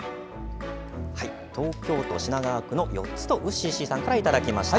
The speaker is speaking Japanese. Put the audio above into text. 東京都品川区のよっつとうっしっしさんからいただきました。